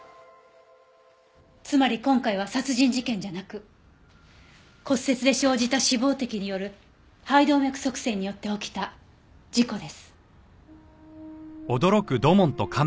つまり今回は殺人事件じゃなく骨折で生じた脂肪滴による肺動脈塞栓によって起きた事故です。